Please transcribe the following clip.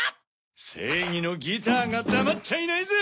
せいぎのギターがだまっちゃいないぜ！